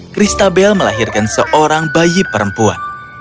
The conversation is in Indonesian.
christabel melahirkan seorang bayi perempuan